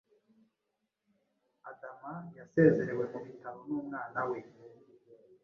adama yasezerewe mu bitaro n'umwana we